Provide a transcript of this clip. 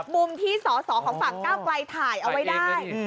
มุมที่สอสอของฝั่งก้าวไกลถ่ายเอาไว้ได้